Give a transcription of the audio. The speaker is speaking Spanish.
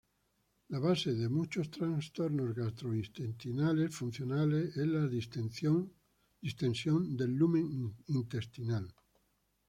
La base de muchos trastornos gastrointestinales funcionales es la distensión del lumen intestinal.